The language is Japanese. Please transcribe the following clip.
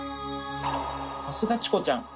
さすがチコちゃん！